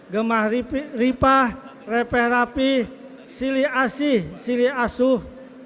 gemah ripah repeh rapih sili asih sili asuh